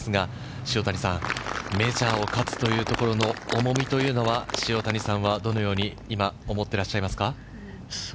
プロですが塩谷さん、メジャーを勝つというところの重みというのは、塩谷さんはどのように今、思ってらっしゃいますか？